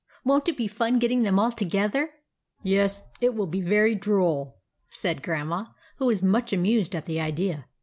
Won't it be fun getting them all together !"" Yes, it will be very droll," said Grandma, who was much amused at the idea.